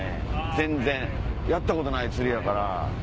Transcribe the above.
全然やったことない釣りやから。